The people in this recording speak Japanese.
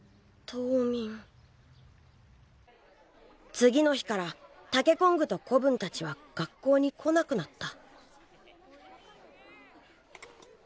次の日からタケコングと子分たちは学校に来なくなった。